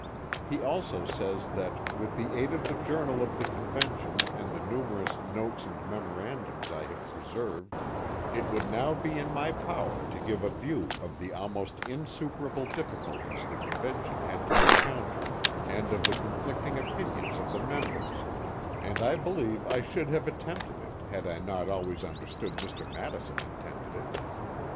He also says that "with the aid of the journal of the Convention and the numerous notes and memorandums I have preserved, it would now be in my power to give a view of the almost insuperable difficulties the Convention had to encounter, and of the conflicting opinions of the members; and I believe I should have attempted it had I not always understood Mr. Madison intended it.